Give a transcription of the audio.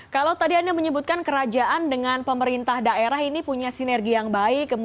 kalau tadi anda menyebutkan kerajaan dengan pemerintah daerah ini punya sinergi yang baik